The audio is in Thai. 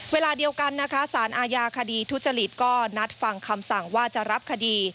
เวลาเดียวกันนะคะสารอาญาคดีทุจริตก็นัดฟังคำสั่งว่าจะรับคดี